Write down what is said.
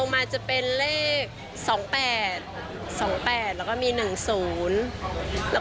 มามากกว่า๑๐